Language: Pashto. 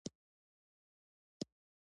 اوښ د افغانستان د اوږدمهاله پایښت لپاره مهم دی.